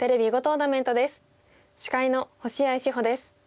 司会の星合志保です。